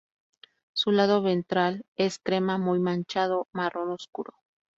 Su lado ventral es crema muy manchado marrón oscuro.